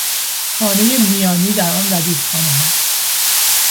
خانهی میانی در آن ردیف خانهها